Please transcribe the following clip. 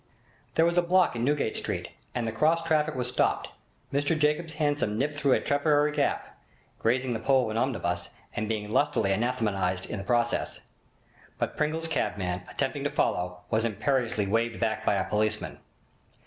There was a block in Newgate Street, and the cross traffic was stopped. Mr Jacobs' hansom nipped through a temporary gap, grazing the pole of an omnibus, and being lustily anathematised in the process. But Pringle's cabman, attempting to follow, was imperiously waved back by a policeman.